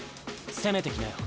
攻めてきなよ。